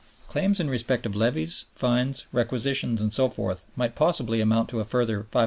Claims in respect of levies, fines, requisitions, and so forth might possibly amount to a further $500,000,000.